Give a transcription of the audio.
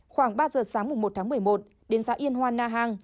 khoảng ba giờ sáng một tháng một mươi một đến xã yên hoa na hàng